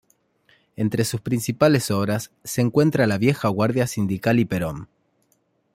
Entre sus principales obras se encuentra "La vieja guardia sindical y Perón.